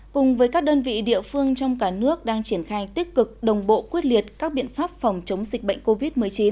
cùng với các đơn vị địa phương trong cả nước đang triển khai tích cực đồng bộ quyết liệt các biện pháp phòng chống dịch bệnh covid một mươi chín